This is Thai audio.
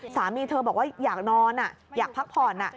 สามีเธอบอกว่าอยากนอนอยากพักผ่อน